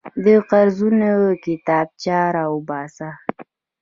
د قرضونو کتابچه راوباسه.